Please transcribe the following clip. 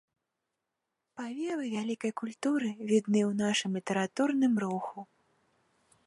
Павевы вялікай культуры відны ў нашым літаратурным руху.